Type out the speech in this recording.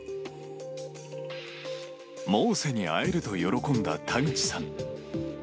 モーセに会えると喜んだ田口さん。